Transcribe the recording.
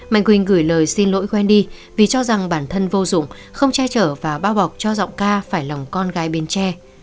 mạnh quỳnh gửi lời xin lỗi quen đi vì cho rằng bản thân vô dụng không che trở và bao bọc cho giọng ca phải lòng con gái bến tre